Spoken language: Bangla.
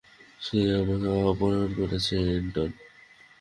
সে আমাকে অপহরণ করছে, এন্টন।